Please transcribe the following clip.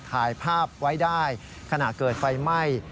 ถ่ายภาพไว้ได้ขณะเกิดไฟไหม้